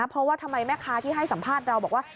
เพราะว่าทำไมแม่ค้าที่ให้สัมภาษณ์เราบอกว่า